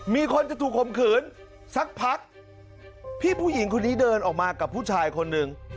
มีคนจะถูกข่มขืนสักพักพี่ผู้หญิงคนนี้เดินออกมากับผู้ชายคนหนึ่ง